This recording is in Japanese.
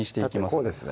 こうですね